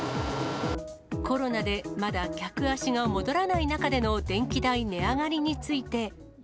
コロナでまだ客足が戻らない中での電気代値上がりについて。